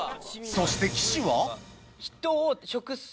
そして岸は？